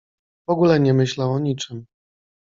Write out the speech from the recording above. W ogóle nie myślał o niczym.